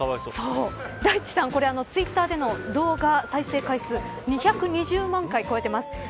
大地さん、これ、ツイッターでの再生回数２２０万回、超えています。